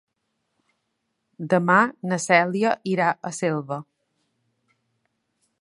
Demà na Cèlia irà a Selva.